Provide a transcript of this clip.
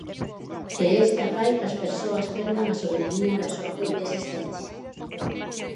E esta fai que as persoas perdan a soberanía da súa propia existencia.